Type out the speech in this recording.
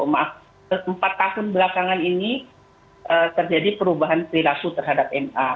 maaf empat tahun belakangan ini terjadi perubahan perilaku terhadap ma